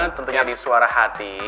tentunya di suara hati